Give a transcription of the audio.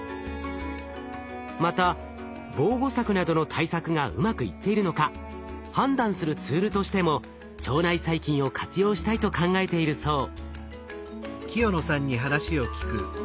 また防護柵などの対策がうまくいっているのか判断するツールとしても腸内細菌を活用したいと考えているそう。